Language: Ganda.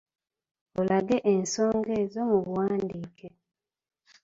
Olage ensonga ezo mu buwandiike.